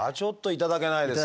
いただけないですね。